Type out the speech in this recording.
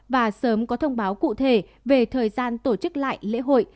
và sớm có thông báo cụ thể về thời gian tổ chức lại lễ hội